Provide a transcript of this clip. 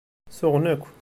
Suɣen akk.